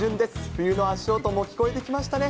冬の足音も聞こえてきましたね。